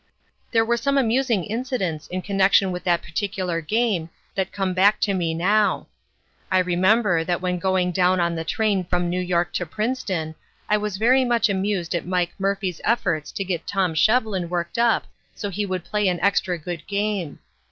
"There were some amusing incidents in connection with that particular game that come back to me now. I remember that when going down on the train from New York to Princeton, I was very much amused at Mike Murphy's efforts to get Tom Shevlin worked up so he would play an extra good game.